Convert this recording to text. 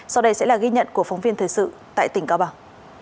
sau đây sẽ là ghi nhận của phóng viên thời sự tại tỉnh cao bằng